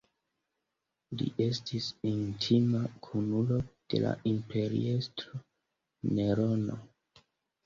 Li estis intima kunulo de la imperiestro Nerono.